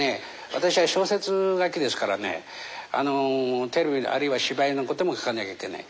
私は小説書きですからねテレビあるいは芝居のことも書かなきゃいけない。